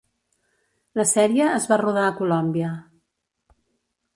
La sèrie es va rodar a Colòmbia.